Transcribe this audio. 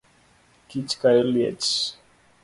Kich kayo liech